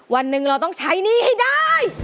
วันหนึ่งเราต้องใช้หนี้ให้ได้